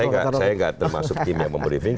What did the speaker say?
saya tidak termasuk tim yang membriefing